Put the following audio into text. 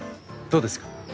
どうですか？